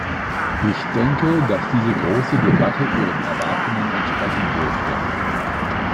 Ich denke, dass diese große Debatte Ihren Erwartungen entsprechen dürfte.